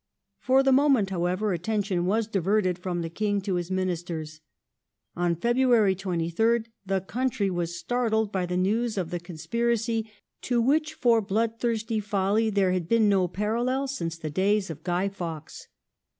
^ For the moment, however, attention was diverted from the Cato King to his Ministers. On February 23rd the country was startled ^^^^^ by the news of the conspiracy to which for bloodthirsty folly there spiracy, had been no parallel since the days of Guy Fawkes.